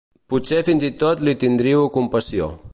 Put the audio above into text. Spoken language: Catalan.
Potser fins i tot li tindríeu compassió.